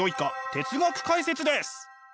哲学解説です！